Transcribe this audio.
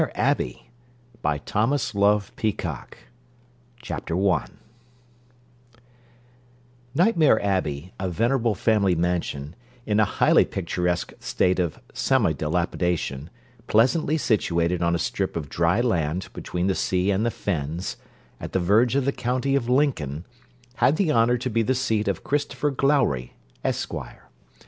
RABELAIS, Prol. L. 5 CHAPTER I Nightmare Abbey, a venerable family mansion, in a highly picturesque state of semi dilapidation, pleasantly situated on a strip of dry land between the sea and the fens, at the verge of the county of Lincoln, had the honour to be the seat of Christopher Glowry, Esquire.